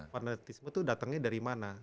fanatisme itu datangnya dari mana